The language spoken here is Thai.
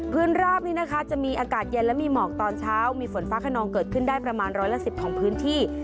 รอบนี้นะคะจะมีอากาศเย็นและมีหมอกตอนเช้ามีฝนฟ้าขนองเกิดขึ้นได้ประมาณร้อยละ๑๐ของพื้นที่